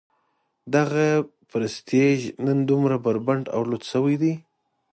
دغه پرستیژ نن دومره بربنډ او لوڅ شوی دی.